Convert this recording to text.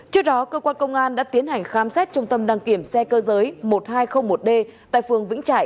trước đó cơ quan công an đã tiến hành khám xét trung tâm đăng kiểm xe cơ giới một nghìn hai trăm linh một d tại phường vĩnh trại